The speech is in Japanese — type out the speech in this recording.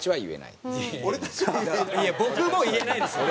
いや僕も言えないですよ。